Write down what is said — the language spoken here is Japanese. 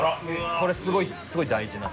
これすごい大事な。